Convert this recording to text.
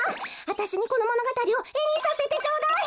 あたしにこのものがたりをえにさせてちょうだい！